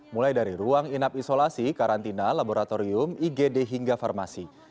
mulai dari ruang inap isolasi karantina laboratorium igd hingga farmasi